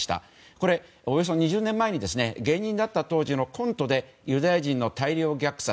これ、およそ２０年前に芸人だった当時のコントでユダヤ人の大量虐殺